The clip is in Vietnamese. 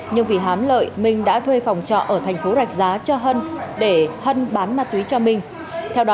nhưng vì hám lợi minh đã thuê phòng trọ ở thành phố rạch giá cho hân để hân bán ma túy cho minh